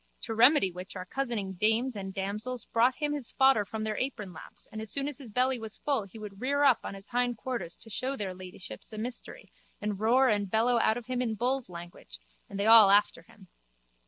To remedy which our cozening dames and damsels brought him his fodder in their apronlaps and as soon as his belly was full he would rear up on his hind quarters to show their ladyships a mystery and roar and bellow out of him in bulls' language and they all after him.